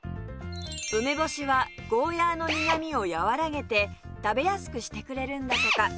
梅干しはゴーヤーの苦みを和らげて食べやすくしてくれるんだとか